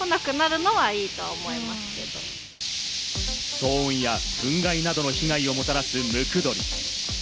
騒音やフン害などの被害をもたらすムクドリ。